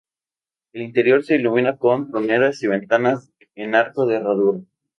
El interior se ilumina con troneras y ventanas en arco de herradura.